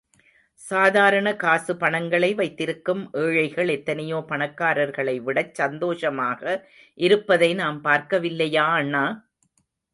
சாதாரண காசு பணங்களை வைத்திருக்கும் ஏழைகள், எத்தனையோ பணக்காரர்களை விடச் சந்தோஷமாக இருப்பதை நாம் பார்க்கவில்லையா அண்ணா!